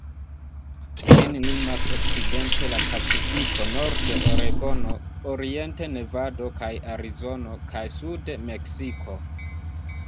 Ĝin limas okcidente la Pacifiko, norde Oregono, oriente Nevado kaj Arizono, kaj sude Meksiko.